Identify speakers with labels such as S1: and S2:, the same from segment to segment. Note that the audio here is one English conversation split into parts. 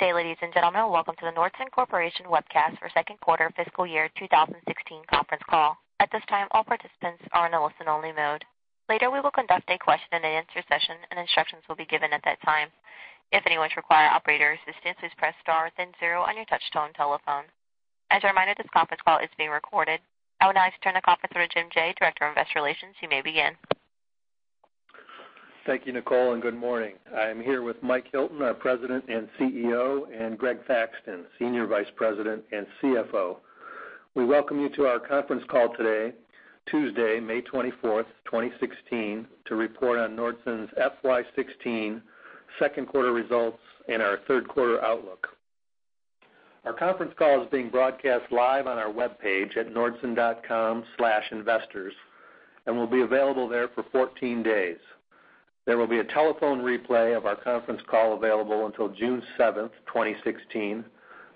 S1: Good day, ladies and gentlemen. Welcome to the Nordson Corporation webcast for second quarter fiscal year 2016 conference call. At this time, all participants are in a listen-only mode. Later, we will conduct a question-and-answer session and instructions will be given at that time. If anyone requires operator assistance, please press star then zero on your touchtone telephone. As a reminder, this conference call is being recorded. I would now like to turn the conference over to James R. Jaye, Director of Investor Relations. You may begin.
S2: Thank you, Nicole, and good morning. I am here with Mike Hilton, our President and CEO, and Greg Thaxton, Senior Vice President and CFO. We welcome you to our conference call today, Tuesday, May 24th, 2016, to report on Nordson's FY 2016 second quarter results and our third quarter outlook. Our conference call is being broadcast live on our webpage at nordson.com/investors and will be available there for 14 days. There will be a telephone replay of our conference call available until June 7th, 2016,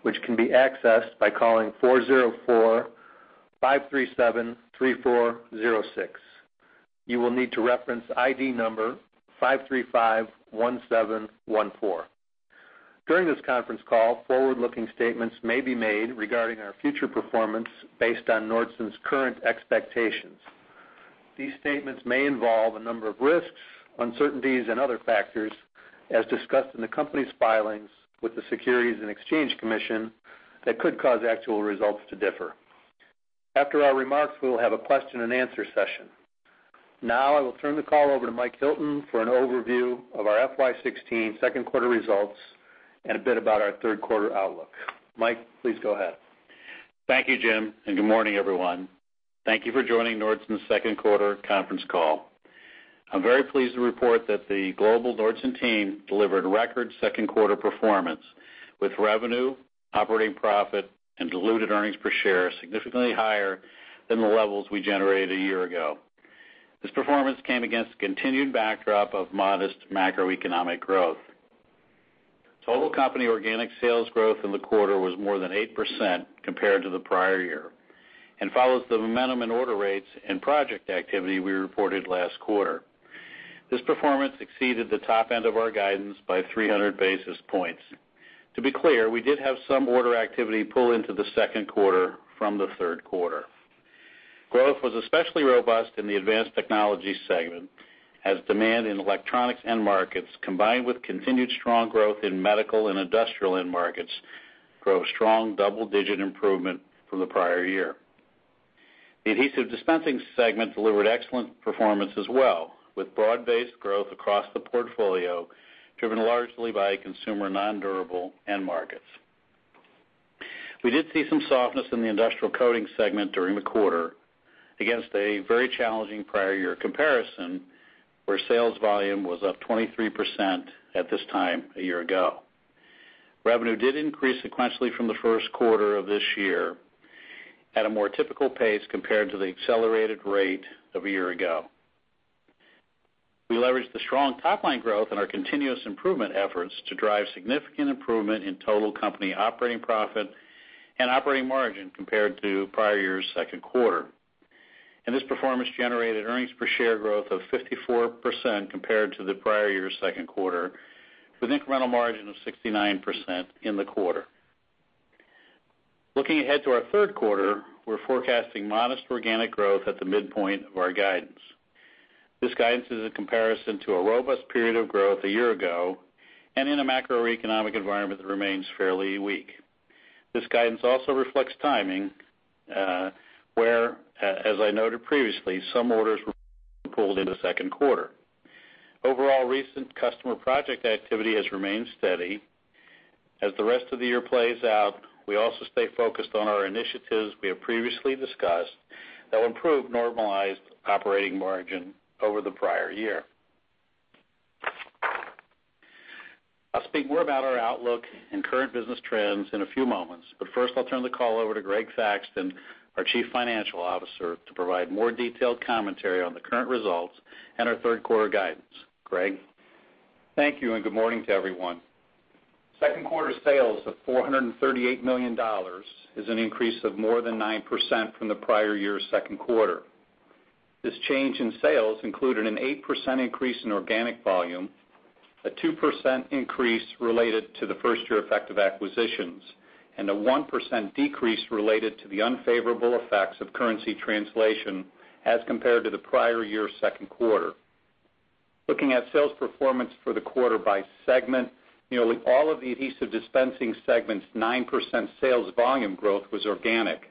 S2: which can be accessed by calling 404-537-3406. You will need to reference ID number 5351714. During this conference call, forward-looking statements may be made regarding our future performance based on Nordson's current expectations. These statements may involve a number of risks, uncertainties and other factors, as discussed in the company's filings with the Securities and Exchange Commission that could cause actual results to differ. After our remarks, we will have a question-and-answer session. Now I will turn the call over to Mike Hilton for an overview of our FY 2016 second quarter results and a bit about our third quarter outlook. Mike, please go ahead.
S3: Thank you, Jim, and good morning, everyone. Thank you for joining Nordson's second quarter conference call. I'm very pleased to report that the global Nordson team delivered record second quarter performance with revenue, operating profit and diluted earnings per share significantly higher than the levels we generated a year ago. This performance came against a continued backdrop of modest macroeconomic growth. Total company organic sales growth in the quarter was more than 8% compared to the prior year and follows the momentum in order rates and project activity we reported last quarter. This performance exceeded the top end of our guidance by 300 basis points. To be clear, we did have some order activity pull into the second quarter from the third quarter. Growth was especially robust in the Advanced Technology Solutions segment as demand in electronics end markets, combined with continued strong growth in medical and industrial end markets, drove strong double-digit improvement from the prior year. The Adhesive Dispensing Systems segment delivered excellent performance as well, with broad-based growth across the portfolio, driven largely by consumer nondurable end markets. We did see some softness in the Industrial Coating segment during the quarter against a very challenging prior year comparison, where sales volume was up 23% at this time a year ago. Revenue did increase sequentially from the first quarter of this year at a more typical pace compared to the accelerated rate of a year ago. We leveraged the strong top line growth and our continuous improvement efforts to drive significant improvement in total company operating profit and operating margin compared to prior year's second quarter. And this performance generated earnings per share growth of 54% compared to the prior year's second quarter, with incremental margin of 69% in the quarter. Looking ahead to our third quarter, we're forecasting modest organic growth at the midpoint of our guidance. This guidance is a comparison to a robust period of growth a year ago and in a macroeconomic environment that remains fairly weak. This guidance also reflects timing, where, as I noted previously, some orders were pulled in the second quarter. Overall, recent customer project activity has remained steady. As the rest of the year plays out, we also stay focused on our initiatives we have previously discussed that will improve normalized operating margin over the prior year. I'll speak more about our outlook and current business trends in a few moments, but first I'll turn the call over to Greg Thaxton, our Chief Financial Officer, to provide more detailed commentary on the current results and our third quarter guidance. Greg?
S4: Thank you, and good morning to everyone. Second quarter sales of $438 million is an increase of more than 9% from the prior year's second quarter. This change in sales included an 8% increase in organic volume, a 2% increase related to the first year effect of acquisitions, and a 1% decrease related to the unfavorable effects of currency translation as compared to the prior year's second quarter. Looking at sales performance for the quarter by segment, nearly all of the Adhesive Dispensing segment's 9% sales volume growth was organic,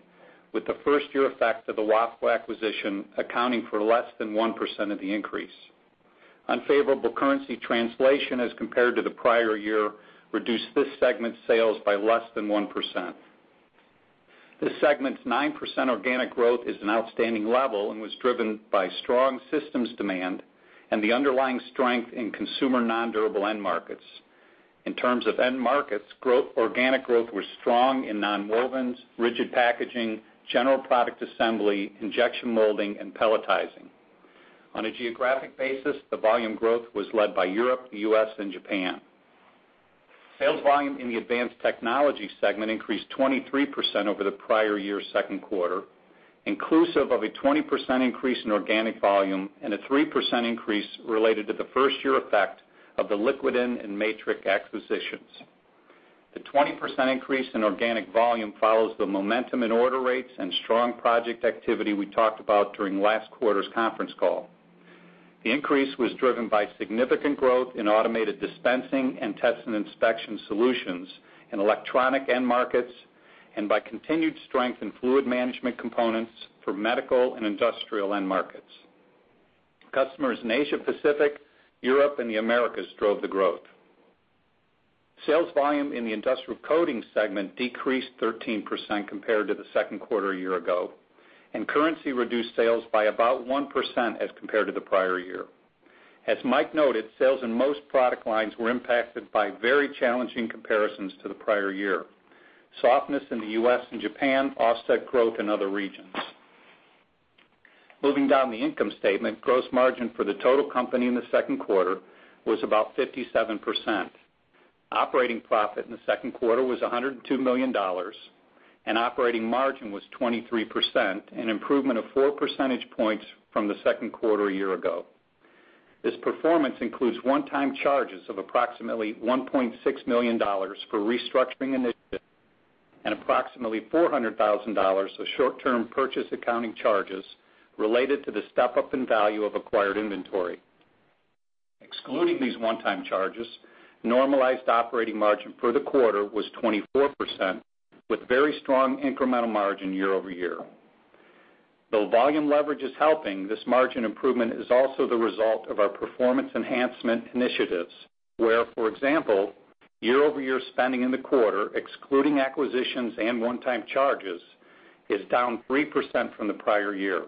S4: with the first year effect of the Wahlco acquisition accounting for less than 1% of the increase. Unfavorable currency translation as compared to the prior year reduced this segment's sales by less than 1%. This segment's 9% organic growth is an outstanding level and was driven by strong systems demand and the underlying strength in consumer nondurable end markets. In terms of end markets, growth, organic growth was strong in nonwovens, rigid packaging, general product assembly, injection molding and pelletizing. On a geographic basis, the volume growth was led by Europe, the U.S. and Japan. Sales volume in the Advanced Technology segment increased 23% over the prior year's second quarter. Inclusive of a 20% increase in organic volume and a 3% increase related to the first year effect of the Liquidyn and MatriX acquisitions. The 20% increase in organic volume follows the momentum in order rates and strong project activity we talked about during last quarter's conference call. The increase was driven by significant growth in automated dispensing and test and inspection solutions in electronics end markets, and by continued strength in fluid management components for medical and industrial end markets. Customers in Asia Pacific, Europe and the Americas drove the growth. Sales volume in the industrial coating segment decreased 13% compared to the second quarter a year ago, and currency reduced sales by about 1% as compared to the prior year. As Mike noted, sales in most product lines were impacted by very challenging comparisons to the prior year. Softness in the U.S. and Japan offset growth in other regions. Moving down the income statement. Gross margin for the total company in the second quarter was about 57%. Operating profit in the second quarter was $102 million, and operating margin was 23%, an improvement of four percentage points from the second quarter a year ago. This performance includes one-time charges of approximately $1.6 million for restructuring initiatives and approximately $400 thousand of short-term purchase accounting charges related to the step-up in value of acquired inventory. Excluding these one-time charges, normalized operating margin for the quarter was 24%, with very strong incremental margin year over year. Though volume leverage is helping, this margin improvement is also the result of our performance enhancement initiatives, where, for example, year-over-year spending in the quarter, excluding acquisitions and one-time charges, is down 3% from the prior year,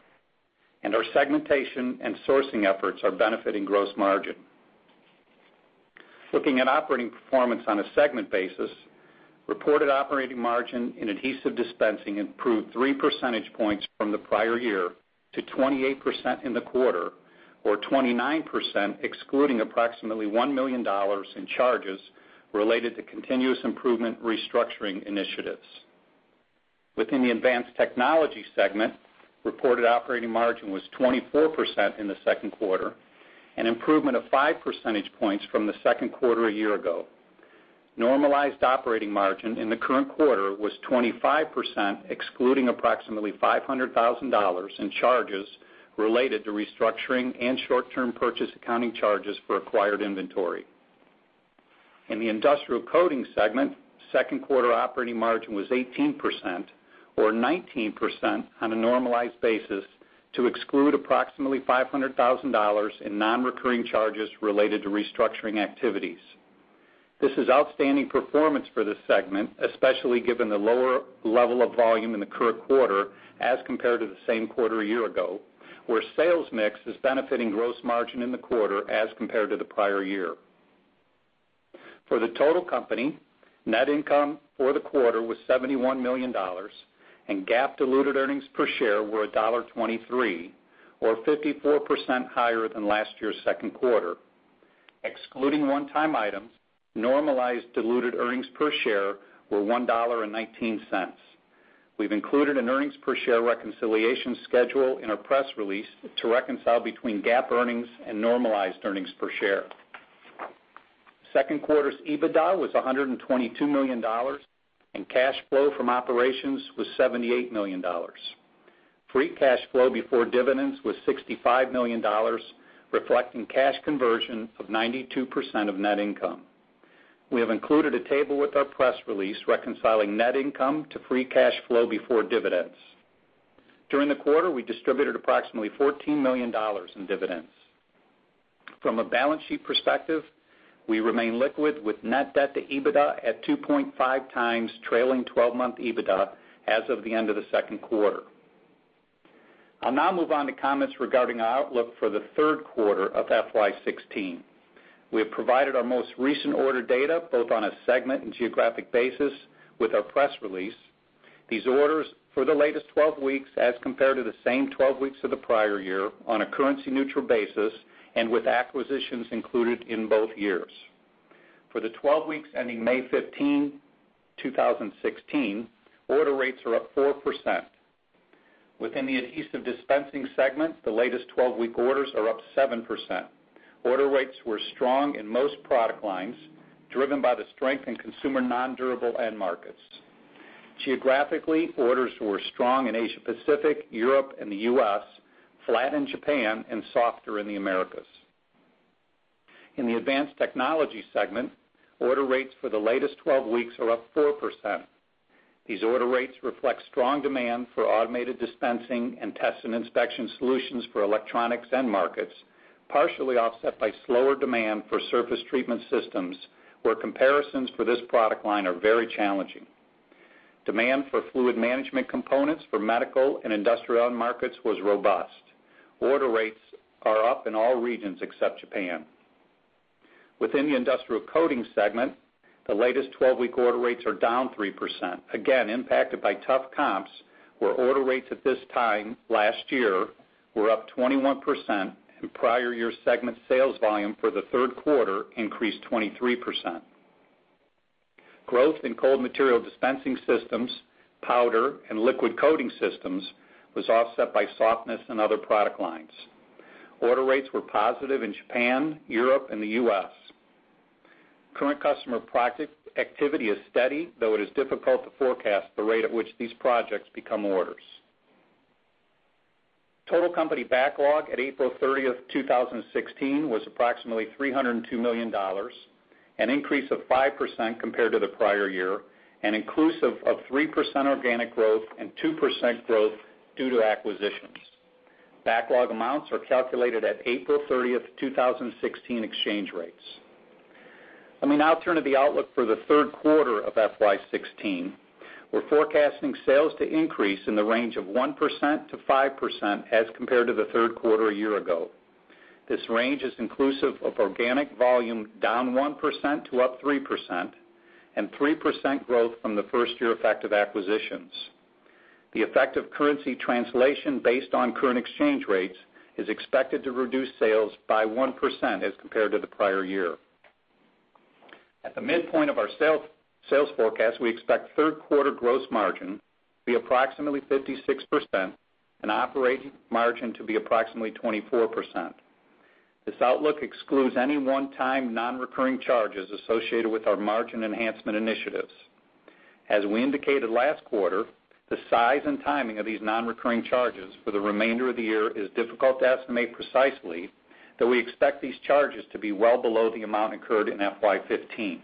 S4: and our segmentation and sourcing efforts are benefiting gross margin. Looking at operating performance on a segment basis, reported operating margin in Adhesive Dispensing improved 3 percentage points from the prior year to 28% in the quarter, or 29% excluding approximately $1 million in charges related to continuous improvement restructuring initiatives. Within the Advanced Technology segment, reported operating margin was 24% in the second quarter, an improvement of 5 percentage points from the second quarter a year ago. Normalized operating margin in the current quarter was 25%, excluding approximately $500,000 in charges related to restructuring and short-term purchase accounting charges for acquired inventory. In the Industrial Coating segment, second quarter operating margin was 18%, or 19% on a normalized basis to exclude approximately $500,000 in non-recurring charges related to restructuring activities. This is outstanding performance for this segment, especially given the lower level of volume in the current quarter as compared to the same quarter a year ago, where sales mix is benefiting gross margin in the quarter as compared to the prior year. For the total company, net income for the quarter was $71 million, and GAAP diluted earnings per share were $1.23, or 54% higher than last year's second quarter. Excluding one-time items, normalized diluted earnings per share were $1.19. We've included an earnings per share reconciliation schedule in our press release to reconcile between GAAP earnings and normalized earnings per share. Second quarter's EBITDA was $122 million, and cash flow from operations was $78 million. Free cash flow before dividends was $65 million, reflecting cash conversion of 92% of net income. We have included a table with our press release reconciling net income to free cash flow before dividends. During the quarter, we distributed approximately $14 million in dividends. From a balance sheet perspective, we remain liquid with net debt to EBITDA at 2.5x trailing 12-month EBITDA as of the end of the second quarter. I'll now move on to comments regarding our outlook for the third quarter of FY 2016. We have provided our most recent order data, both on a segment and geographic basis, with our press release. These orders for the latest 12 weeks, as compared to the same 12 weeks of the prior year on a currency-neutral basis and with acquisitions included in both years. For the 12 weeks ending May 15, 2016, order rates are up 4%. Within the Adhesive Dispensing segment, the latest 12-week orders are up 7%. Order rates were strong in most product lines, driven by the strength in consumer non-durable end markets. Geographically, orders were strong in Asia Pacific, Europe and the U.S., flat in Japan, and softer in the Americas. In the Advanced Technology segment, order rates for the latest 12 weeks are up 4%. These order rates reflect strong demand for automated dispensing and test and inspection solutions for electronics end markets, partially offset by slower demand for surface treatment systems, where comparisons for this product line are very challenging. Demand for fluid management components for medical and industrial end markets was robust. Order rates are up in all regions except Japan. Within the Industrial Coating segment, the latest 12-week order rates are down 3%, again impacted by tough comps, where order rates at this time last year were up 21% and prior year segment sales volume for the third quarter increased 23%. Growth in cold material dispensing systems, powder and liquid coating systems was offset by softness in other product lines. Order rates were positive in Japan, Europe and the U.S. Current customer project activity is steady, though it is difficult to forecast the rate at which these projects become orders. Total company backlog at April 30th, 2016 was approximately $302 million, an increase of 5% compared to the prior year, and inclusive of 3% organic growth and 2% growth due to acquisitions. Backlog amounts are calculated at April 30th, 2016 exchange rates. Let me now turn to the outlook for the third quarter of FY 2016. We're forecasting sales to increase in the range of 1%-5% as compared to the third quarter a year ago. This range is inclusive of organic volume down 1% to up 3% and 3% growth from the first-year effect of acquisitions. The effect of currency translation based on current exchange rates is expected to reduce sales by 1% as compared to the prior year. At the midpoint of our sales forecast, we expect third quarter gross margin to be approximately 56% and operating margin to be approximately 24%. This outlook excludes any one-time nonrecurring charges associated with our margin enhancement initiatives. As we indicated last quarter, the size and timing of these nonrecurring charges for the remainder of the year is difficult to estimate precisely, though we expect these charges to be well below the amount incurred in FY 2015.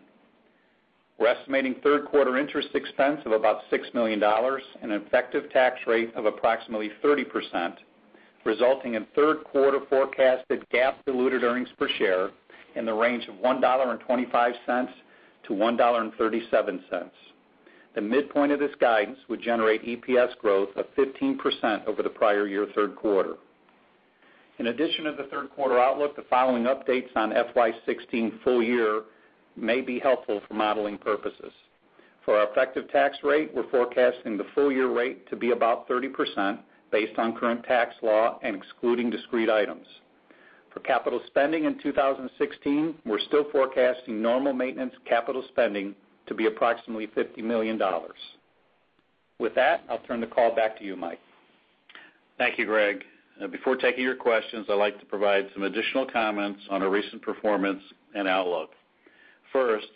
S4: We're estimating third quarter interest expense of about $6 million and an effective tax rate of approximately 30%, resulting in third quarter forecasted GAAP diluted earnings per share in the range of $1.25-$1.37. The midpoint of this guidance would generate EPS growth of 15% over the prior year third quarter. In addition to the third quarter outlook, the following updates on FY 2016 full year may be helpful for modeling purposes. For our effective tax rate, we're forecasting the full year rate to be about 30% based on current tax law and excluding discrete items. For capital spending in 2016, we're still forecasting normal maintenance capital spending to be approximately $50 million. With that, I'll turn the call back to you, Mike.
S3: Thank you, Greg. Before taking your questions, I'd like to provide some additional comments on our recent performance and outlook. First,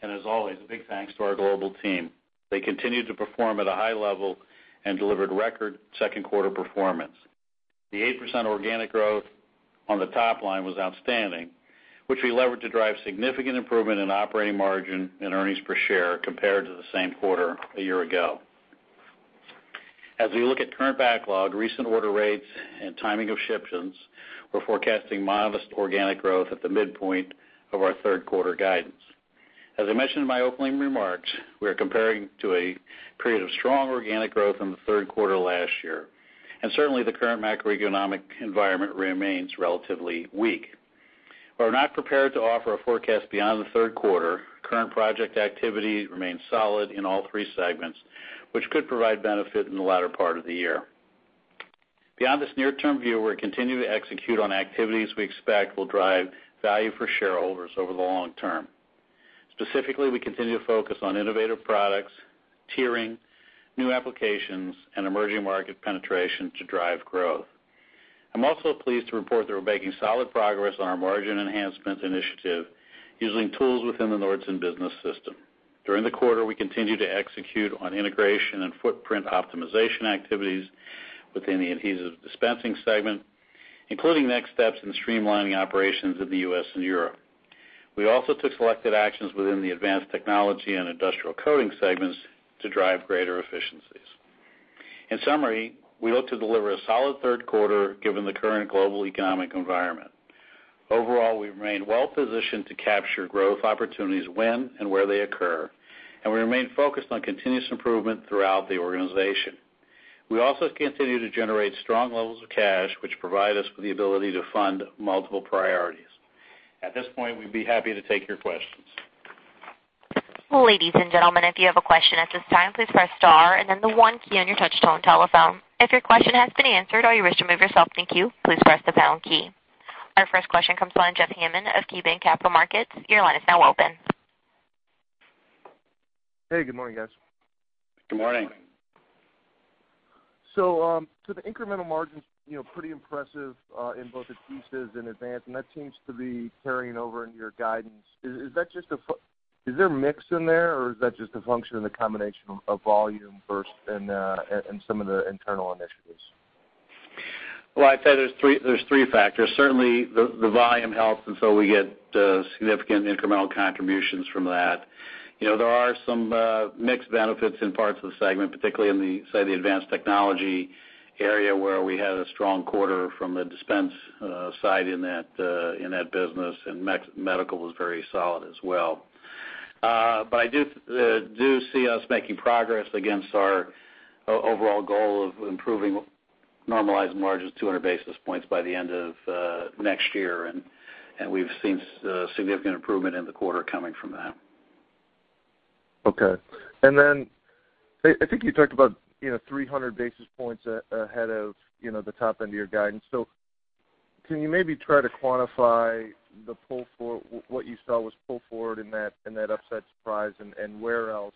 S3: and as always, a big thanks to our global team. They continued to perform at a high level and delivered record second quarter performance. The 8% organic growth on the top line was outstanding, which we leveraged to drive significant improvement in operating margin and earnings per share compared to the same quarter a year ago. As we look at current backlog, recent order rates and timing of shipments, we're forecasting modest organic growth at the midpoint of our third quarter guidance. As I mentioned in my opening remarks, we are comparing to a period of strong organic growth in the third quarter last year. And certainly, the current macroeconomic environment remains relatively weak. We're not prepared to offer a forecast beyond the third quarter. Current project activity remains solid in all three segments, which could provide benefit in the latter part of the year. Beyond this near-term view, we're continuing to execute on activities we expect will drive value for shareholders over the long term. Specifically, we continue to focus on innovative products, tiering, new applications and emerging market penetration to drive growth. I'm also pleased to report that we're making solid progress on our margin enhancement initiative using tools within the Nordson Business System. During the quarter, we continued to execute on integration and footprint optimization activities within the Adhesive Dispensing segment, including next steps in streamlining operations in the U.S. and Europe. We also took selected actions within the Advanced Technology and Industrial Coating segments to drive greater efficiencies. In summary, we look to deliver a solid third quarter given the current global economic environment. Overall, we remain well positioned to capture growth opportunities when and where they occur, and we remain focused on continuous improvement throughout the organization. We also continue to generate strong levels of cash, which provide us with the ability to fund multiple priorities. At this point, we'd be happy to take your questions.
S1: Ladies and gentlemen, if you have a question at this time, please press star and then the one key on your touchtone telephone. If your question has been answered, or you wish to remove yourself from the queue, please press the pound key. Our first question comes from Jeff Hammond of KeyBanc Capital Markets. Your line is now open.
S5: Hey, good morning, guys.
S3: Good morning.
S5: So the incremental margins, you know, pretty impressive in both adhesives and advanced, and that seems to be carrying over into your guidance. Is there mix in there, or is that just a function of the combination of volume first and some of the internal initiatives?
S3: Well, I'd say there's three factors. Certainly, the volume helps, and so we get significant incremental contributions from that. You know, there are some mixed benefits in parts of the segment, particularly in, say, the advanced technology area, where we had a strong quarter from the dispense side in that business, and medical was very solid as well. I do see us making progress against our overall goal of improving normalized margins 200 basis points by the end of next year, and we've seen significant improvement in the quarter coming from that.
S5: Okay. And then I think you talked about, you know, 300 basis points ahead of, you know, the top end of your guidance. So can you maybe try to quantify the pull forward what you saw was pulled forward in that upside surprise and where else,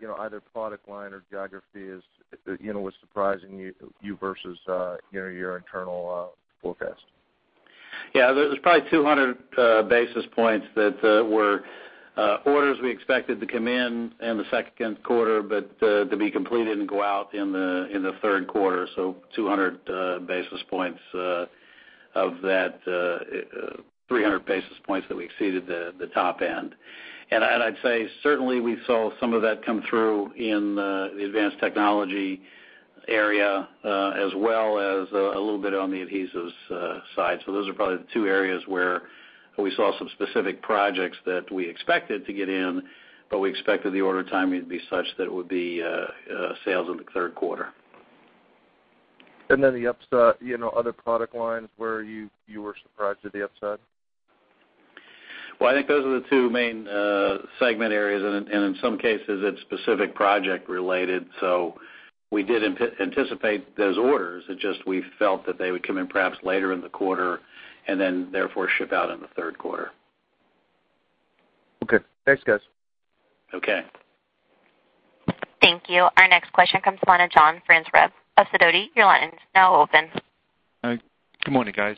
S5: you know, either product line or geography was surprising you versus, you know, your internal forecast?
S3: Yeah. There's probably 200 basis points that were orders we expected to come in in the second quarter, but to be completed and go out in the third quarter. So 200 basis points of that 300 basis points that we exceeded the top end. And I'd say, certainly we saw some of that come through in the advanced technology area, as well as a little bit on the adhesives side. Those are probably the two areas where we saw some specific projects that we expected to get in, but we expected the order timing to be such that it would be sales in the third quarter.
S5: And then you know, other product lines where you were surprised at the upside?
S3: Well, I think those are the two main segment areas, and in some cases, it's specific project related. So we did anticipate those orders. It's just we felt that they would come in perhaps later in the quarter, and then therefore ship out in the third quarter.
S5: Okay. Thanks, guys.
S3: Okay.
S1: Thank you. Our next question comes from the line of John Franzreb of Sidoti. Your line is now open.
S6: Good morning, guys.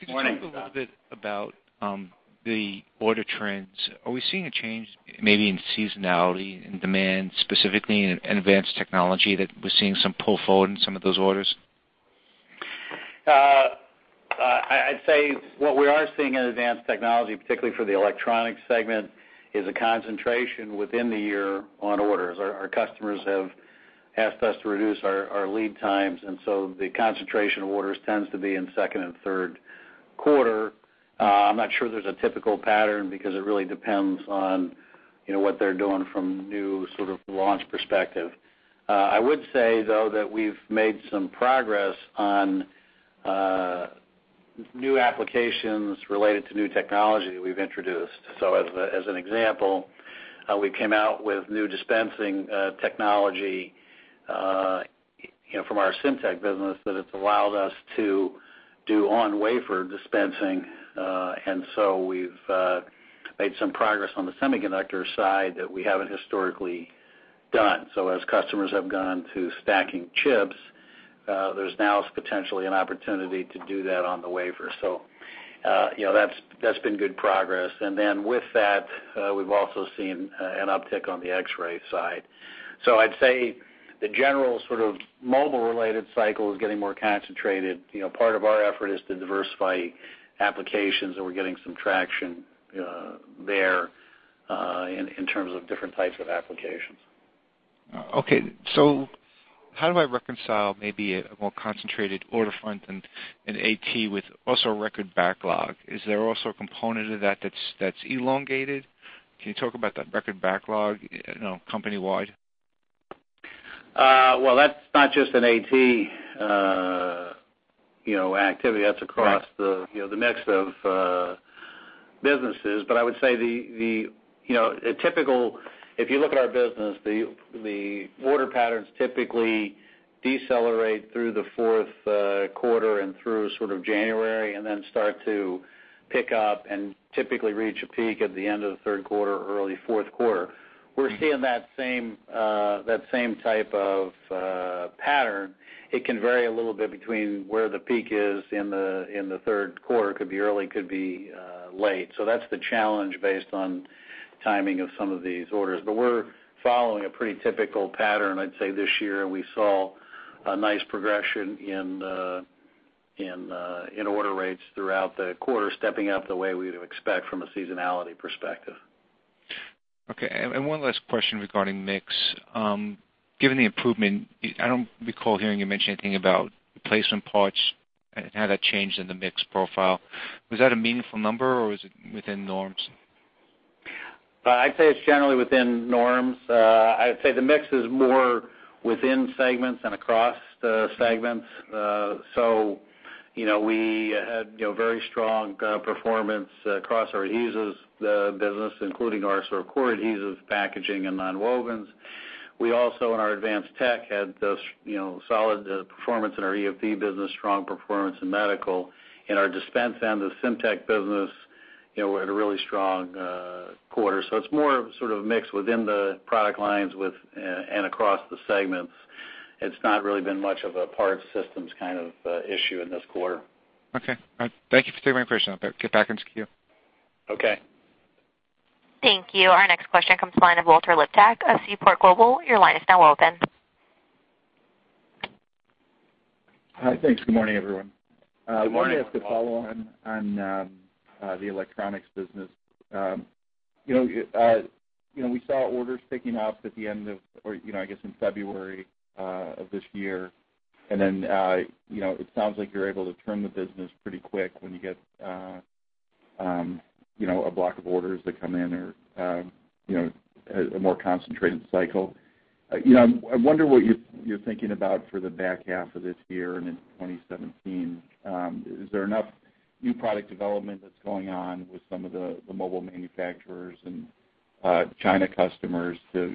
S3: Good morning.
S6: Could you talk a little bit about the order trends? Are we seeing a change maybe in seasonality, in demand, specifically in advanced technology that we're seeing some pull forward in some of those orders?
S3: I'd say what we are seeing in advanced technology, particularly for the electronic segment, is a concentration within the year on orders. Our customers have asked us to reduce our lead times, and so the concentration of orders tends to be in second and third quarter. I'm not sure there's a typical pattern because it really depends on, you know, what they're doing from new sort of launch perspective. I would say, though, that we've made some progress on new applications related to new technology we've introduced. As an example, we came out with new dispensing technology, you know, from our ASYMTEK business that it's allowed us to do on-wafer dispensing. And so we've made some progress on the semiconductor side that we haven't historically done. As customers have gone to stacking chips, there's now potentially an opportunity to do that on the wafer so. You know, that's been good progress. With that, we've also seen an uptick on the X-ray side. So I'd say the general sort of mobile-related cycle is getting more concentrated. You know, part of our effort is to diversify applications, and we're getting some traction there in terms of different types of applications.
S6: Okay. So how do I reconcile maybe a more concentrated order front than in AT with also record backlog? Is there also a component of that that's elongated? Can you talk about that record backlog, you know, company-wide?
S3: Well, that's not just an AT, you know, activity that's across the, you know, the mix of businesses. But I would say the you know, if you look at our business, the order patterns typically decelerate through the fourth quarter and through sort of January, and then start to pick up and typically reach a peak at the end of the third quarter or early fourth quarter. We're seeing that same type of pattern. It can vary a little bit between where the peak is in the third quarter. It could be early, it could be late. So that's the challenge based on timing of some of these orders. We're following a pretty typical pattern. I'd say this year, we saw a nice progression in order rates throughout the quarter, stepping up the way we would expect from a seasonality perspective.
S6: Okay. One last question regarding mix. Given the improvement, I don't recall hearing you mention anything about replacement parts and how that changed in the mix profile. Was that a meaningful number, or was it within norms?
S3: I'd say it's generally within norms. I'd say the mix is more within segments than across the segments. So you know, we had, you know, very strong performance across our adhesives business, including our sort of core adhesives, packaging and nonwovens. We also, in our advanced tech, had those, you know, solid performance in our EFD business, strong performance in medical. In our dispensing and the ASYMTEK business, you know, we had a really strong quarter. It's more sort of a mix within the product lines with and across the segments. It's not really been much of a parts systems kind of issue in this quarter.
S6: Okay. All right. Thank you for taking my question. I'll get back into queue.
S3: Okay.
S1: Thank you. Our next question comes from the line of Walter Liptak of Seaport Global. Your line is now open.
S7: Hi. Thanks. Good morning, everyone.
S3: Good morning, Walter.
S7: Let me ask a follow-on on the electronics business. You know, you know, we saw orders picking up at the end of, or, you know, I guess in February of this year. And then, you know, it sounds like you're able to turn the business pretty quick when you get, you know, a block of orders that come in or, you know, a more concentrated cycle. You know, I wonder what you're thinking about for the back half of this year and in 2017. Is there enough new product development that's going on with some of the mobile manufacturers and China customers to,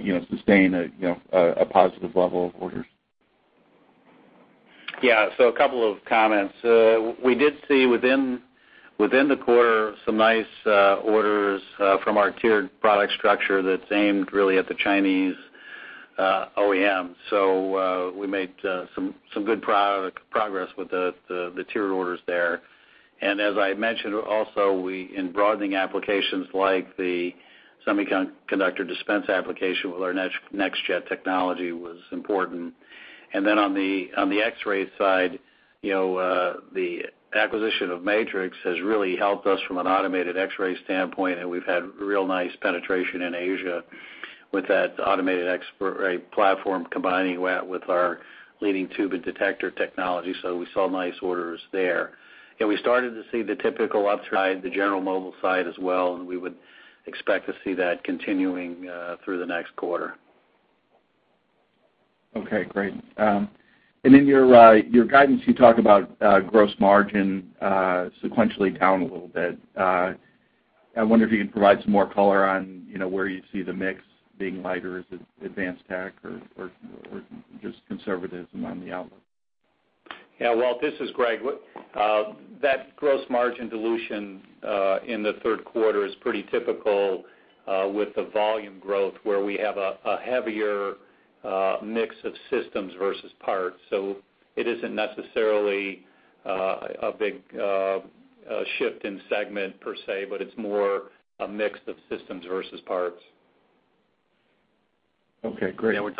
S7: you know, sustain a positive level of orders.
S3: Yeah. So a couple of comments. We did see within the quarter some nice orders from our tiered product structure that's aimed really at the Chinese OEM. So we made some good progress with the tiered orders there. As I mentioned also, we in broadening applications like the semiconductor dispense application with our NexJet technology was important. And then on the X-ray side, you know, the acquisition of MatriX has really helped us from an automated X-ray standpoint, and we've had real nice penetration in Asia with that automated X-ray platform, combining that with our leading tube and detector technology. So we saw nice orders there. We started to see the typical upside, the general mobile side as well, and we would expect to see that continuing through the next quarter.
S7: Okay, great. In your guidance, you talk about gross margin sequentially down a little bit. I wonder if you can provide some more color on, you know, where you see the mix being lighter, is it advanced tech or just conservatism on the outlook?
S4: Yeah. Walt, this is Greg. That gross margin dilution in the third quarter is pretty typical with the volume growth where we have a heavier mix of systems versus parts. So it isn't necessarily a big shift in segment per se, but it's more a mix of systems versus parts.
S7: Okay, great.
S3: Yeah, we're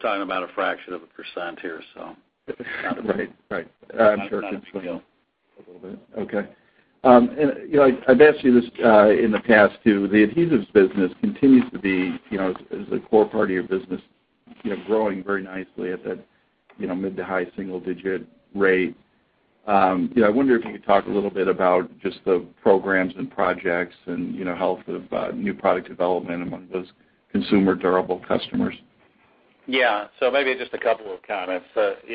S3: talking about a fraction of a percent here, so.
S7: Right. Right. I'm sure.
S3: A little bit.
S7: Okay. You know, I've asked you this in the past too, the adhesives business continues to be, you know, as a core part of your business, you know, growing very nicely at that, you know, mid- to high-single-digit rate. You know, I wonder if you could talk a little bit about just the programs and projects and, you know, health of new product development among those consumer durable customers.
S3: Yeah. So maybe just a couple of comments.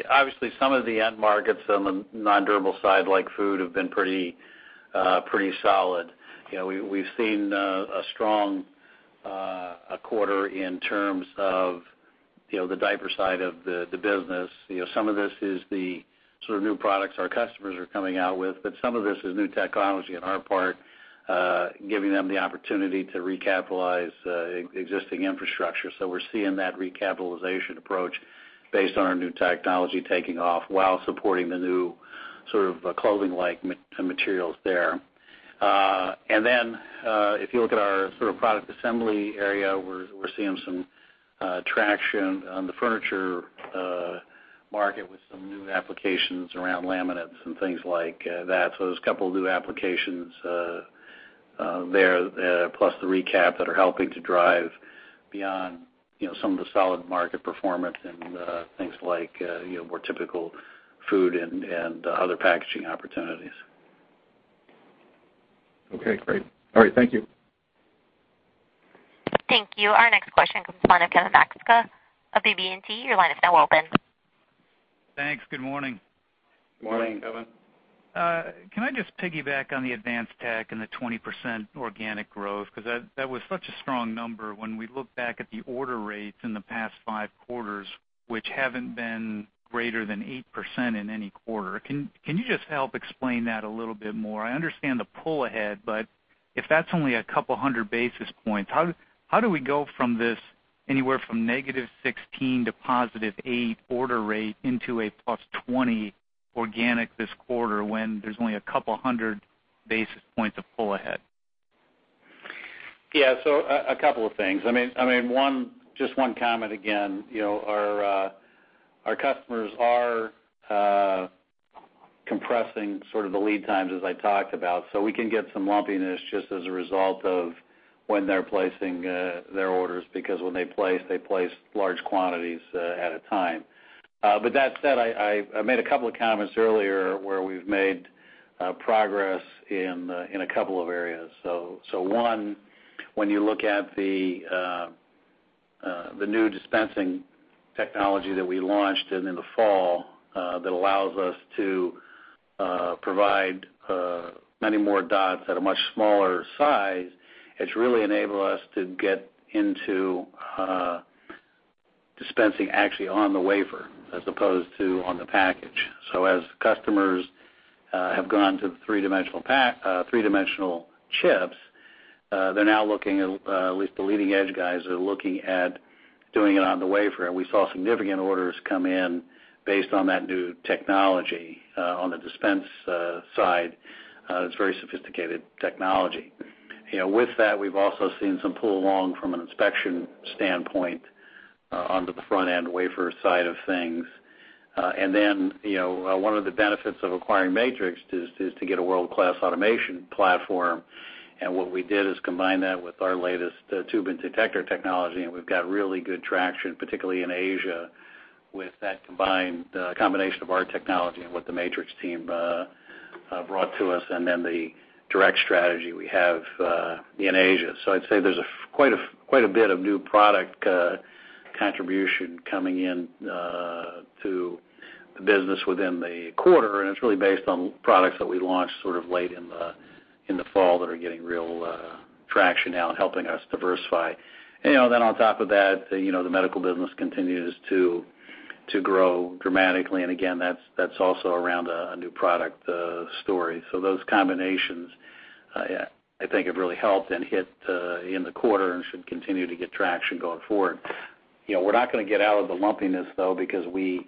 S3: Obviously some of the end markets on the non-durable side, like food, have been pretty solid. You know, we've seen a strong quarter in terms of, you know, the diaper side of the business. You know, some of this is the sort of new products our customers are coming out with, but some of this is new technology on our part, giving them the opportunity to recapitalize existing infrastructure. We're seeing that recapitalization approach based on our new technology taking off while supporting the new sort of clothing-like materials there. And then if you look at our sort of product assembly area, we're seeing some traction on the furniture market with some new applications around laminates and things like that. There's a couple of new applications there, plus the recap that are helping to drive beyond, you know, some of the solid market performance and things like, you know, more typical food and other packaging opportunities.
S7: Okay, great. All right. Thank you.
S1: Thank you. Our next question comes from Kevin Maczka of BB&T. Your line is now open.
S8: Thanks. Good morning.
S3: Morning, Kevin.
S8: Can I just piggyback on the advanced tech and the 20% organic growth? Because that was such a strong number when we look back at the order rates in the past five quarters, which haven't been greater than 8% in any quarter. Can you just help explain that a little bit more? I understand the pull ahead, but if that's only a couple hundred basis points, how do we go from this anywhere from -16% to +8% order rate into a +20% organic this quarter when there's only a couple hundred basis points of pull ahead?
S3: Yeah. A couple of things. I mean, one comment again. You know, our customers are compressing sort of the lead times as I talked about, so we can get some lumpiness just as a result of when they're placing their orders, because when they place, they place large quantities at a time. But that said, I made a couple of comments earlier where we've made progress in a couple of areas. So one, when you look at the new dispensing technology that we launched in the fall, that allows us to provide many more dots at a much smaller size, it's really enabled us to get into dispensing actually on the wafer as opposed to on the package. As customers have gone to three-dimensional chips, they're now looking at least the leading edge guys are looking at doing it on the wafer, and we saw significant orders come in based on that new technology on the dispensing side. It's very sophisticated technology. You know, with that, we've also seen some pull along from an inspection standpoint onto the front-end wafer side of things. And then you know, one of the benefits of acquiring MatriX is to get a world-class automation platform. What we did is combine that with our latest tube and detector technology, and we've got really good traction, particularly in Asia, with that combination of our technology and what the MatriX team brought to us, and the direct strategy we have in Asia. I'd say there's quite a bit of new product contribution coming in to the business within the quarter, and it's really based on products that we launched sort of late in the fall that are getting real traction now and helping us diversify. And you know, on top of that, you know, the medical business continues to grow dramatically. Again, that's also around a new product story. So those combinations, I think have really helped it in the quarter and should continue to get traction going forward. You know, we're not gonna get out of the lumpiness, though, because we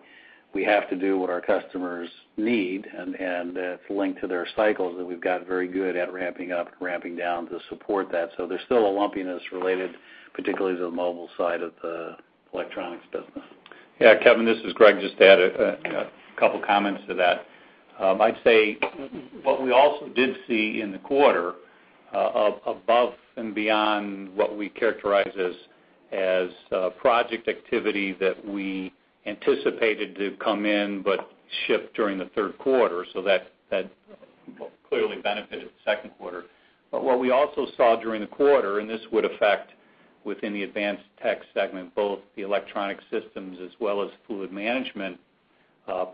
S3: have to do what our customers need, and it's linked to their cycles that we've got very good at ramping up and ramping down to support that. There's still a lumpiness related, particularly to the mobile side of the electronics business.
S4: Yeah. Kevin, this is Greg. Just to add, you know, a couple comments to that. I'd say what we also did see in the quarter above and beyond what we characterize as project activity that we anticipated to come in but ship during the third quarter, so that well, clearly benefited the second quarter. What we also saw during the quarter, and this would affect, within the advanced tech segment, both the electronic systems as well as fluid management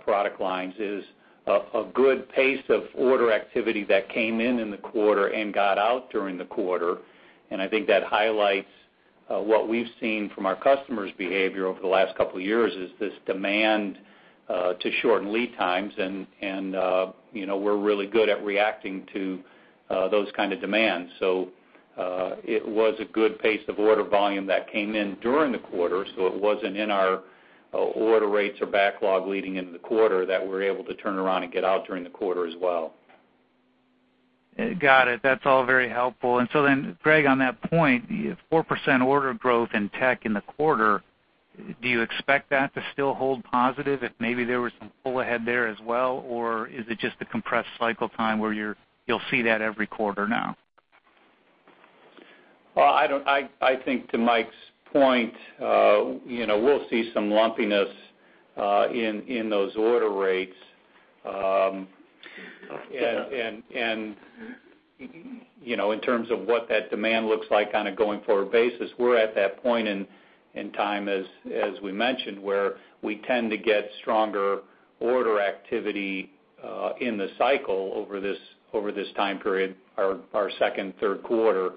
S4: product lines, is a good pace of order activity that came in in the quarter and got out during the quarter. And I think that highlights what we've seen from our customers' behavior over the last couple years is this demand to shorten lead times. And you know, we're really good at reacting to those kind of demands. It was a good pace of order volume that came in during the quarter, so it wasn't in our order rates or backlog leading into the quarter that we're able to turn around and get out during the quarter as well.
S8: Got it. That's all very helpful. Greg, on that point, you have 4% order growth in tech in the quarter. Do you expect that to still hold positive if maybe there was some pull ahead there as well? Or is it just the compressed cycle time where you'll see that every quarter now?
S4: I think to Mike's point, you know, we'll see some lumpiness in those order rates. And you know, in terms of what that demand looks like on a going-forward basis, we're at that point in time as we mentioned, where we tend to get stronger order activity in the cycle over this time period, our second, third quarter,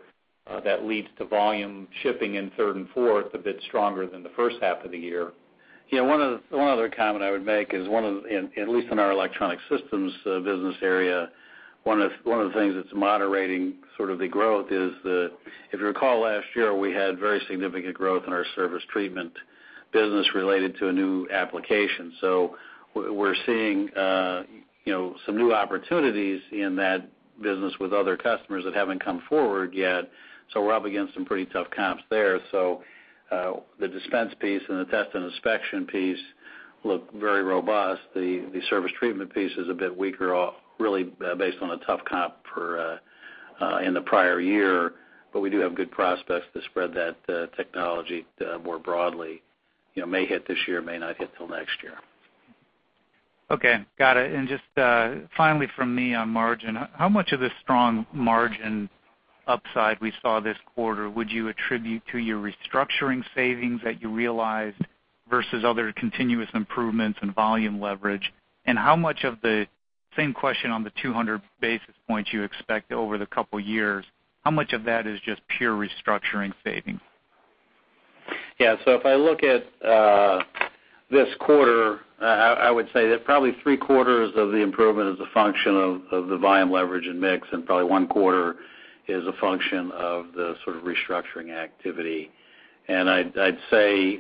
S4: that leads to volume shipping in third and fourth a bit stronger than the first half of the year. You know, one other comment I would make is, and at least in our electronics systems business area, one of the things that's moderating sort of the growth is. If you recall, last year, we had very significant growth in our surface treatment business related to a new application. So we're seeing, you know, some new opportunities in that business with other customers that haven't come forward yet, so we're up against some pretty tough comps there. So the dispense piece and the test and inspection piece look very robust. The surface treatment piece is a bit weaker off really, based on a tough comp in the prior year, but we do have good prospects to spread that technology more broadly. You know, may hit this year, may not hit till next year.
S8: Okay. Got it. And just, finally from me on margin. How much of the strong margin upside we saw this quarter would you attribute to your restructuring savings that you realized versus other continuous improvements and volume leverage? And how much of the, same question on the 200 basis points you expect over the couple years, how much of that is just pure restructuring savings?
S3: Yeah. If I look at this quarter, I would say that probably three-quarters of the improvement is a function of the volume leverage and mix, and probably one-quarter is a function of the sort of restructuring activity. I'd say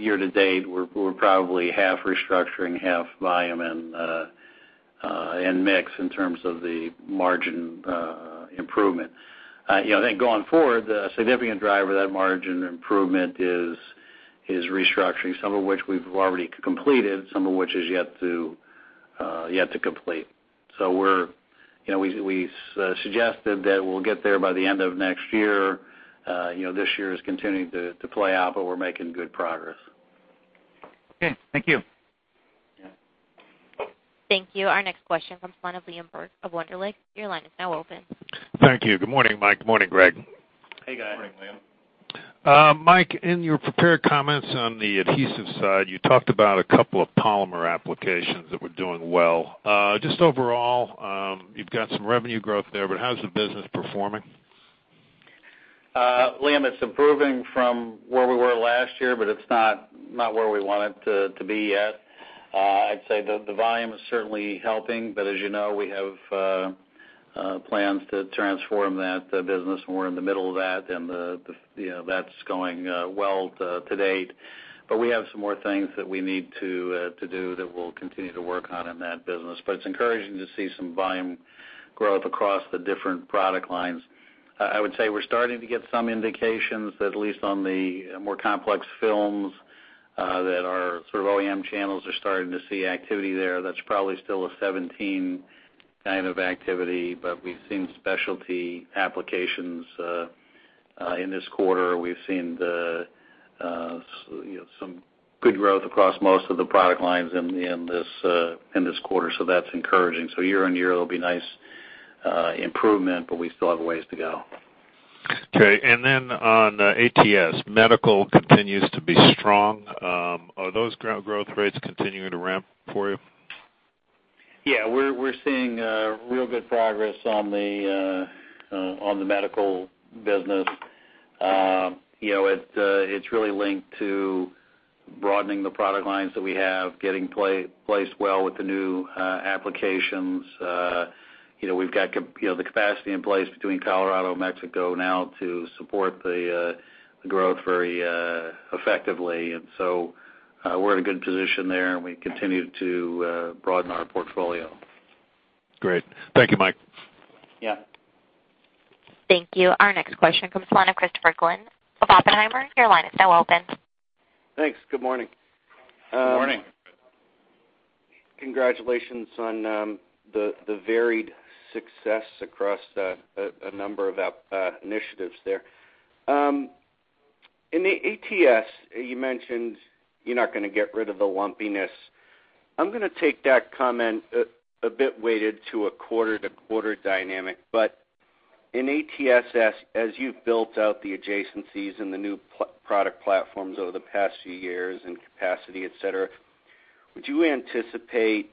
S3: year to date, we're probably half restructuring, half volume and mix in terms of the margin improvement. You know, I think going forward, the significant driver of that margin improvement is restructuring, some of which we've already completed, some of which is yet to complete. So we're. You know, we suggested that we'll get there by the end of next year. You know, this year is continuing to play out, but we're making good progress.
S8: Okay. Thank you.
S3: Yeah.
S1: Thank you. Our next question comes from the line of Liam Burke of Wunderlich. Your line is now open.
S9: Thank you. Good morning, Mike. Good morning, Greg.
S3: Hey, guys. Good morning, Liam.
S9: Mike, in your prepared comments on the adhesive side, you talked about a couple of polymer applications that were doing well. Just overall, you've got some revenue growth there, but how's the business performing?
S3: Liam, it's improving from where we were last year, but it's not where we want it to be yet. I'd say the volume is certainly helping, but as you know, we have plans to transform that business, and we're in the middle of that. You know, that's going well to date. We have some more things that we need to do that we'll continue to work on in that business. It's encouraging to see some volume growth across the different product lines. I would say we're starting to get some indications, at least on the more complex films, that our sort of OEM channels are starting to see activity there. That's probably still a 2017 kind of activity, but we've seen specialty applications in this quarter. We've seen you know, some good growth across most of the product lines in this quarter, so that's encouraging. Year-on-year, it'll be nice improvement, but we still have a ways to go.
S9: Okay. On ATS, medical continues to be strong. Are those growth rates continuing to ramp for you?
S3: Yeah. We're seeing real good progress on the medical business. You know, it's really linked to broadening the product lines that we have, getting placed well with the new applications. You know, we've got the capacity in place between Colorado and Mexico now to support the growth very effectively. So we're in a good position there, and we continue to broaden our portfolio.
S9: Great. Thank you, Mike.
S3: Yeah.
S1: Thank you. Our next question comes from the line of Christopher Glynn of Oppenheimer. Your line is now open.
S10: Thanks. Good morning.
S3: Good morning.
S10: Congratulations on the varied success across a number of initiatives there. In the ATS, you mentioned you're not gonna get rid of the lumpiness. I'm gonna take that comment a bit weighted to a quarter-to-quarter dynamic. But in the ATS, as you've built out the adjacencies and the new product platforms over the past few years and capacity, et cetera, would you anticipate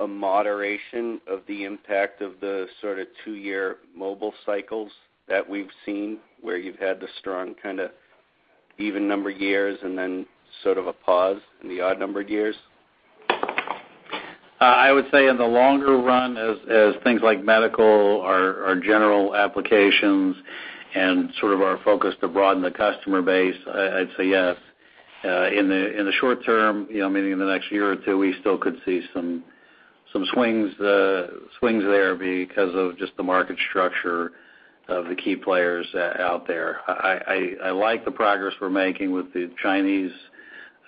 S10: a moderation of the impact of the sort of two-year mobile cycles that we've seen, where you've had the strong kind of even number years and then sort of a pause in the odd numbered years?
S3: I would say in the longer run, as things like medical or general applications and sort of our focus to broaden the customer base, I'd say yes. In the short term, you know, meaning in the next year or two, we still could see some swings there because of just the market structure of the key players out there. I like the progress we're making with the Chinese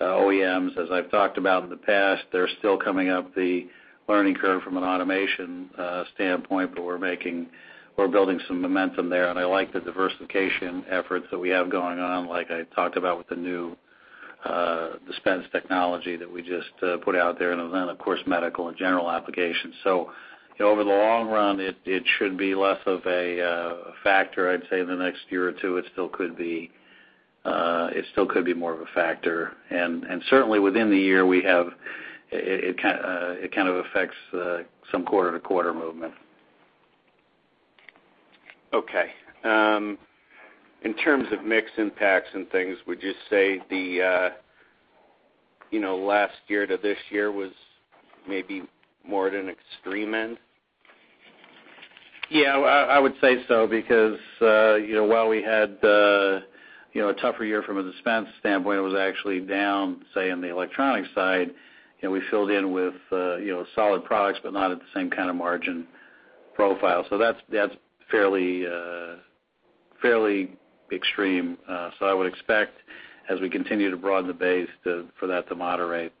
S3: OEMs. As I've talked about in the past, they're still coming up the learning curve from an automation standpoint, but we're building some momentum there. I like the diversification efforts that we have going on, like I talked about with the new dispensing technology that we just put out there, and then, of course, medical and general applications. So you know, over the long run, it should be less of a factor. I'd say in the next year or two, it still could be more of a factor. Certainly within the year, we have it kind of affects some quarter-to-quarter movement.
S10: Okay. In terms of mix impacts and things, would you say the, you know, last year to this year was maybe more at an extreme end?
S3: Yeah. I would say so because, you know, while we had a tougher year from a dispensing standpoint, it was actually down, say, in the electronics side, you know, we filled in with solid products, but not at the same kind of margin profile. That's fairly extreme. I would expect, as we continue to broaden the base, for that to moderate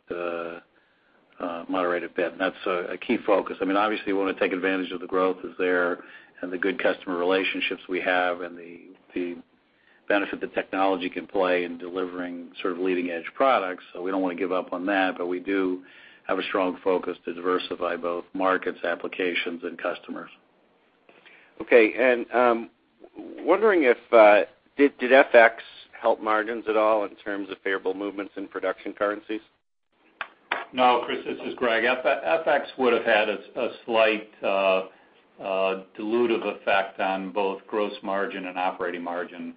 S3: a bit. That's a key focus. I mean, obviously we wanna take advantage of the growth that's there and the good customer relationships we have and the benefit the technology can play in delivering sort of leading-edge products, so we don't wanna give up on that. We do have a strong focus to diversify both markets, applications, and customers.
S10: Okay. Wondering if did FX help margins at all in terms of favorable movements in production currencies?
S4: No, Chris, this is Greg. FX would have had a slight dilutive effect on both gross margin and operating margin.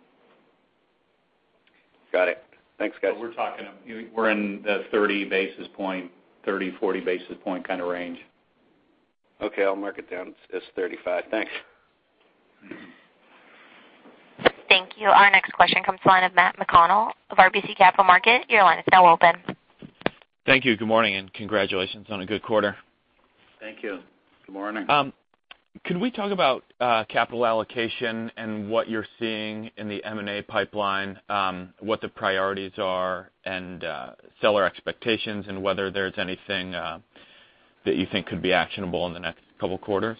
S10: Got it. Thanks, guys.
S4: We're talking, you know, we're in the 30-40 basis points kind of range.
S10: Okay. I'll mark it down as 35. Thanks.
S1: Thank you. Our next question comes from the line of Matt McConnell of RBC Capital Markets. Your line is now open.
S11: Thank you. Good morning, and congratulations on a good quarter.
S3: Thank you. Good morning.
S11: Could we talk about capital allocation and what you're seeing in the M&A pipeline, what the priorities are and seller expectations and whether there's anything that you think could be actionable in the next couple quarters?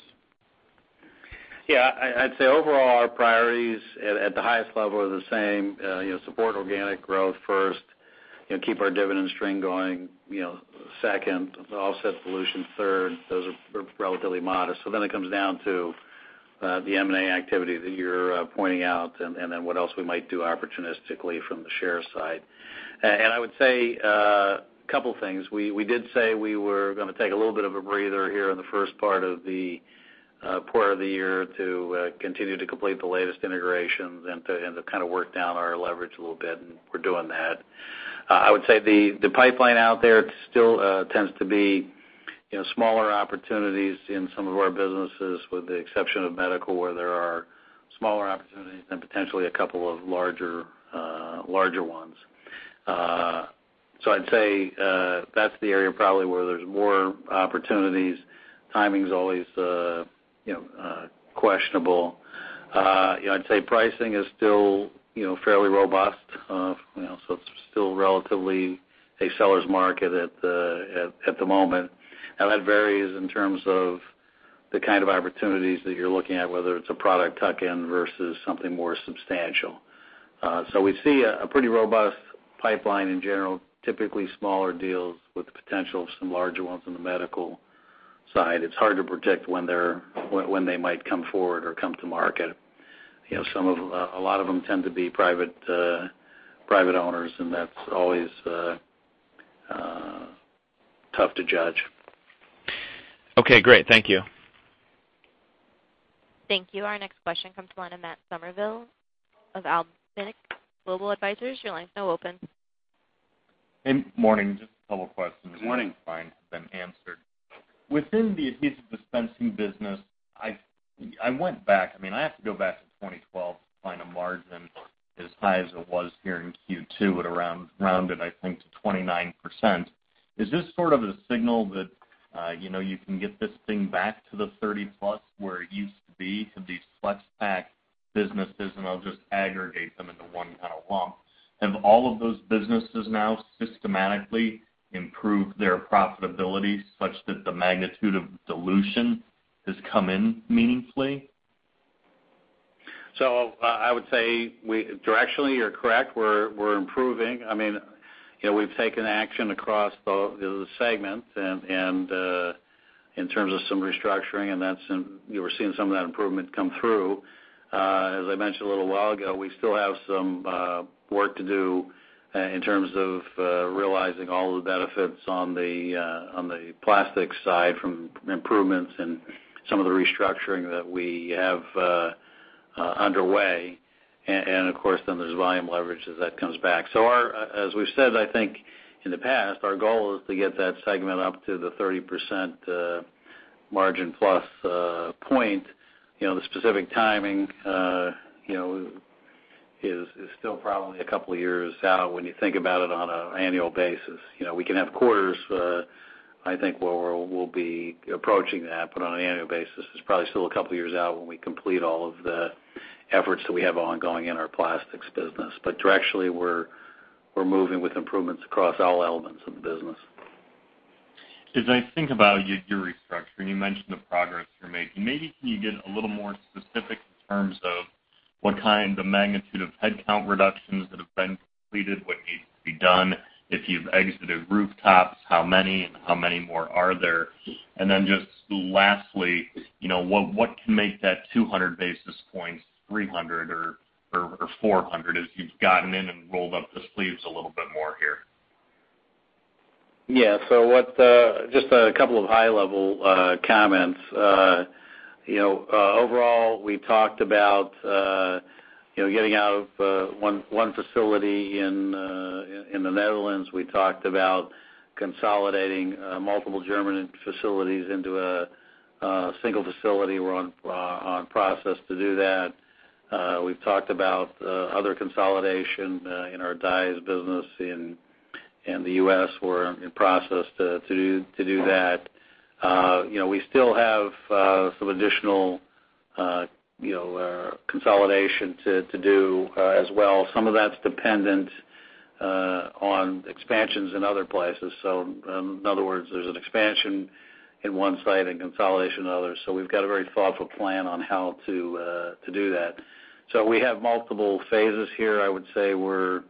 S3: Yeah. I'd say overall, our priorities at the highest level are the same. You know, support organic growth first. You know, keep our dividend stream going, you know, second. Offset solutions third. Those are relatively modest. It comes down to the M&A activity that you're pointing out and then what else we might do opportunistically from the share side. I would say a couple things. We did say we were gonna take a little bit of a breather here in the first part of the year to continue to complete the latest integrations and to kind of work down our leverage a little bit, and we're doing that. I would say the pipeline out there still tends to be, you know, smaller opportunities in some of our businesses, with the exception of medical, where there are smaller opportunities and potentially a couple of larger ones. So I'd say that's the area probably where there's more opportunities. Timing's always, you know, questionable. You know, I'd say pricing is still, you know, fairly robust. You know, it's still relatively a seller's market at the moment. Now that varies in terms of the kind of opportunities that you're looking at, whether it's a product tuck-in versus something more substantial. We see a pretty robust pipeline in general, typically smaller deals with the potential of some larger ones in the medical side. It's hard to predict when they might come forward or come to market. You know, a lot of them tend to be private owners, and that's always tough to judge.
S11: Okay, great. Thank you.
S1: Thank you. Our next question comes from the line of Matt Summerville of Alembic Global Advisors. Your line is now open.
S12: Hey, morning. Just a couple questions.
S3: Morning.
S12: That might have been answered. Within the adhesive dispensing business, I went back. I mean, I have to go back to 2012 to find a margin as high as it was here in Q2 at around, rounded, I think, to 29%. Is this sort of a signal that, you know, you can get this thing back to the 30+ where it used to be for these flexible packaging businesses, and I'll just aggregate them into one kind of lump. Have all of those businesses now systematically improved their profitability such that the magnitude of dilution has come in meaningfully?
S3: So I would say, directionally, you're correct. We're improving. I mean, you know, we've taken action across all the segments in terms of some restructuring, and we're seeing some of that improvement come through. As I mentioned a little while ago, we still have some work to do in terms of realizing all the benefits on the plastics side from improvements in some of the restructuring that we have underway. And of course, then there's volume leverage as that comes back. As we've said, I think in the past, our goal is to get that segment up to the 30% margin plus point. You know, the specific timing, you know, is still probably a couple years out when you think about it on an annual basis. You know, we can have quarters, I think where we'll be approaching that. On an annual basis, it's probably still a couple of years out when we complete all of the efforts that we have ongoing in our plastics business. Directionally, we're moving with improvements across all elements of the business.
S12: As I think about your restructuring, you mentioned the progress you're making. Maybe can you get a little more specific in terms of what kind, the magnitude of headcount reductions that have been completed, what needs to be done? If you've exited rooftops, how many, and how many more are there? Then just lastly, you know, what can make that 200 basis points, 300 or 400 as you've gotten in and rolled up the sleeves a little bit more here?
S3: Yeah. Just a couple of high-level comments. You know, overall, we talked about getting out of one facility in the Netherlands. We talked about consolidating multiple German facilities into a single facility. We're in process to do that. We've talked about other consolidation in our dies business in the U.S. we're in process to do that. You know, we still have some additional consolidation to do as well. Some of that's dependent on expansions in other places. In other words, there's an expansion in one site and consolidation in others. We've got a very thoughtful plan on how to do that. So we have multiple phases here. I would say we're,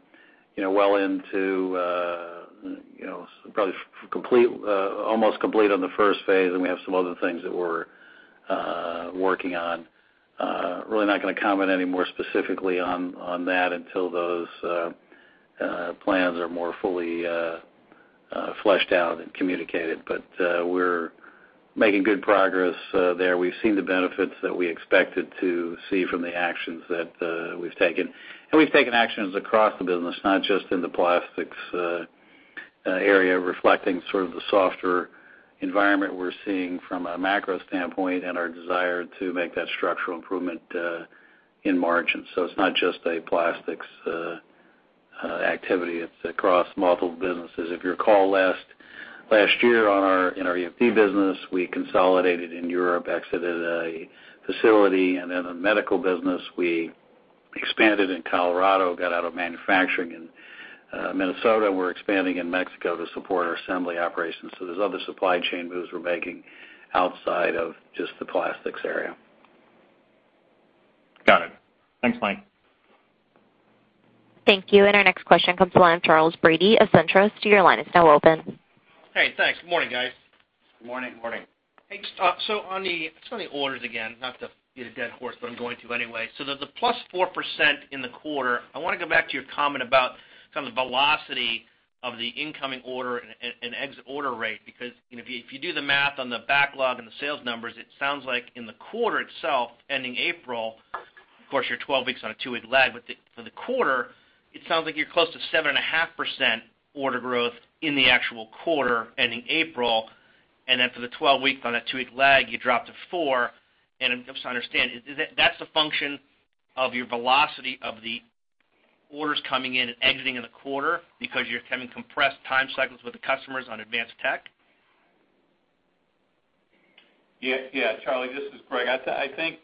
S3: you know, well into, you know, probably almost complete on the first phase, and we have some other things that we're working on. Really not gonna comment any more specifically on that until those plans are more fully fleshed out and communicated. But we're making good progress there. We've seen the benefits that we expected to see from the actions that we've taken. We've taken actions across the business, not just in the plastics area reflecting sort of the softer environment we're seeing from a macro standpoint and our desire to make that structural improvement in margins. It's not just a plastics activity, it's across multiple businesses. If you recall last year in our EFD business, we consolidated in Europe, exited a facility, and in the medical business we expanded in Colorado, got out of manufacturing in Minnesota. We're expanding in Mexico to support our assembly operations. There's other supply chain moves we're making outside of just the plastics area.
S12: Got it. Thanks, Mike.
S1: Thank you. Our next question comes from the line of Charles Brady of SunTrust. Your line is now open.
S13: Hey, thanks. Good morning, guys.
S3: Good morning. Morning.
S14: Hey, so on the orders again, not to beat a dead horse, but I'm going to anyway. The plus 4% in the quarter, I wanna go back to your comment about kind of the velocity of the incoming order and exit order rate. Because, you know, if you do the math on the backlog and the sales numbers, it sounds like in the quarter itself ending April, of course you're 12 weeks on a two-week lag, but for the quarter, it sounds like you're close to 7.5% order growth in the actual quarter ending April, and then for the 12 weeks on that two-week lag, you drop to 4%.
S13: Just to understand, is that's the function of your velocity of the orders coming in and exiting in the quarter because you're having compressed time cycles with the customers on advanced tech?
S4: Yeah, yeah, Charles, this is Greg. I think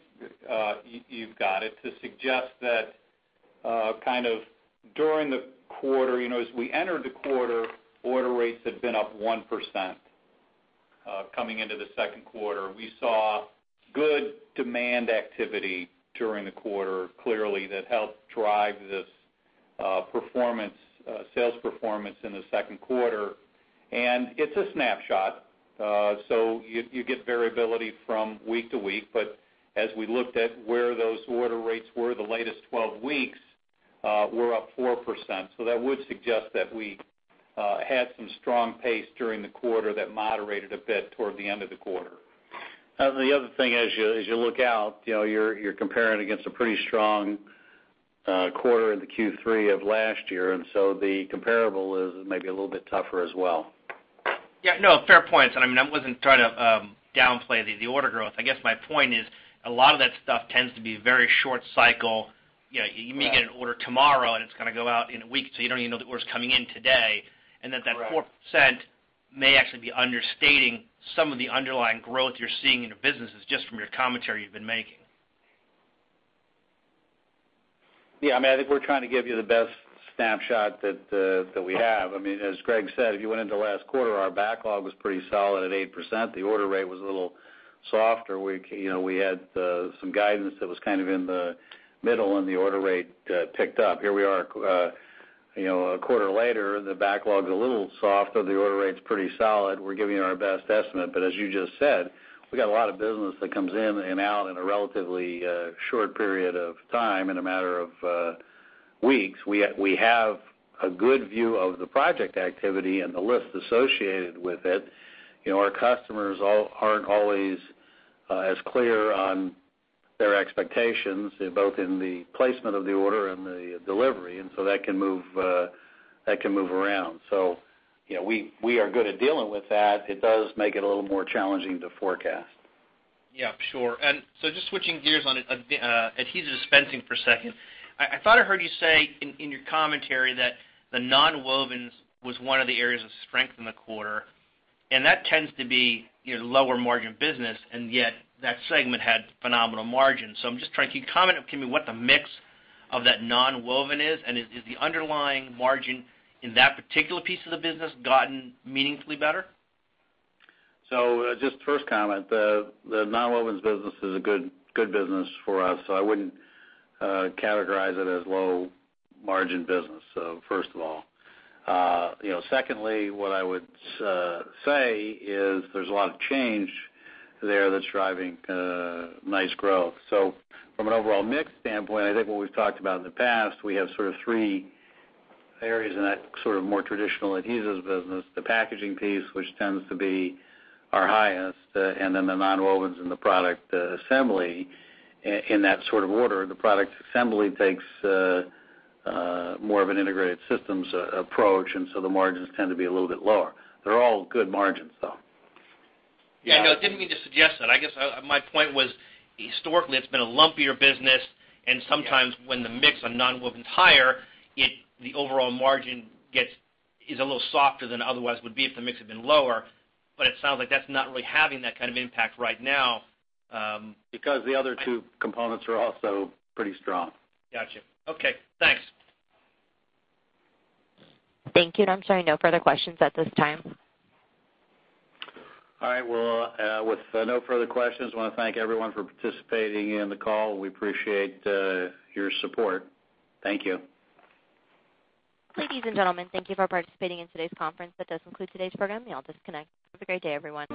S4: you've got it. To suggest that, kind of during the quarter, you know, as we entered the quarter, order rates had been up 1%. Coming into the second quarter, we saw good demand activity during the quarter, clearly that helped drive this performance, sales performance in the second quarter. It's a snapshot. You get variability from week to week. As we looked at where those order rates were, the latest 12 weeks, we're up 4%. That would suggest that we had some strong pace during the quarter that moderated a bit toward the end of the quarter. Now, the other thing as you look out, you know, you're comparing against a pretty strong quarter in the Q3 of last year, and so the comparable is maybe a little bit tougher as well.
S13: Yeah. No, fair points. I mean, I wasn't trying to downplay the order growth. I guess my point is a lot of that stuff tends to be very short cycle. You know, you may get an order tomorrow, and it's gonna go out in a week, so you don't even know the order's coming in today.
S4: Correct.
S13: That 4% may actually be understating some of the underlying growth you're seeing in your businesses just from your commentary you've been making.
S3: Yeah. I mean, I think we're trying to give you the best snapshot that we have. I mean, as Greg said, if you went into last quarter, our backlog was pretty solid at 8%. The order rate was a little softer. We, you know, we had some guidance that was kind of in the middle and the order rate picked up. Here we are, you know, a quarter later. The backlog's a little softer. The order rate's pretty solid. We're giving you our best estimate. As you just said, we got a lot of business that comes in and out in a relatively short period of time in a matter of weeks. We have a good view of the project activity and the list associated with it. You know, our customers aren't always as clear on their expectations, both in the placement of the order and the delivery, and so that can move around. You know, we are good at dealing with that. It does make it a little more challenging to forecast.
S13: Yeah, sure. Just switching gears on adhesive dispensing for a second. I thought I heard you say in your commentary that the nonwovens was one of the areas of strength in the quarter, and that tends to be your lower margin business, and yet that segment had phenomenal margins. I'm just trying to. Can you comment on what the mix of that nonwovens is? And is the underlying margin in that particular piece of the business gotten meaningfully better?
S3: So just first comment, the nonwovens business is a good business for us, so I wouldn't categorize it as low margin business, so first of all. You know, secondly, what I would say is there's a lot of change there that's driving nice growth. From an overall mix standpoint, I think what we've talked about in the past, we have sort of three areas in that sort of more traditional adhesives business. The packaging piece, which tends to be our highest, and then the nonwovens and the product assembly in that sort of order. The product assembly takes more of an integrated systems approach, and so the margins tend to be a little bit lower. They're all good margins, though.
S13: Yeah, no, didn't mean to suggest that. I guess, my point was historically it's been a lumpier business. Andometimes when the mix of nonwovens is higher, the overall margin is a little softer than otherwise would be if the mix had been lower. It sounds like that's not really having that kind of impact right now.
S3: Because the other two components are also pretty strong.
S13: Gotcha. Okay, thanks.
S1: Thank you. I'm showing no further questions at this time.
S3: All right. Well, with no further questions, wanna thank everyone for participating in the call. We appreciate your support. Thank you.
S1: Ladies and gentlemen, thank you for participating in today's conference. That does conclude today's program. You all disconnect. Have a great day, everyone.